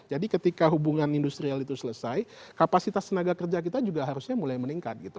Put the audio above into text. jadi ketika hubungan industrial itu selesai kapasitas tenaga kerja kita juga harusnya mulai meningkat gitu